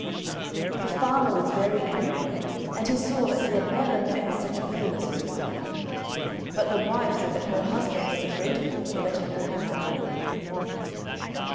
The farmer was very angry, and he swore that he had never met with such a fool as his wife. But the wife said that her husband was a greater fool for letting her have the money.